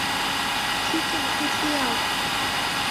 ที่กินที่เที่ยว